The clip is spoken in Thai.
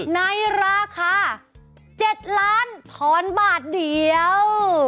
ในราคา๗ล้านถอนบาทเดียว